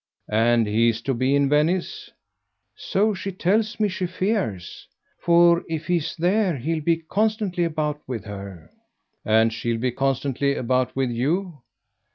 "And he's to be in Venice?" "So she tells me she fears. For if he is there he'll be constantly about with her." "And she'll be constantly about with you?"